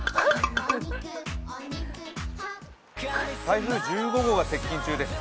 台風１５号が接近中です。